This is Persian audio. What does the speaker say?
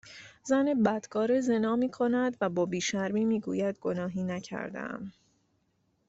زن بدکاره زنا میکند و با بیشرمی میگوید گناهی نکردهام